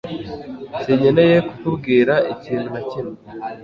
Sinkeneye kukubwira ikintu na kimwe